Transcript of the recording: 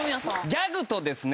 ギャグとですね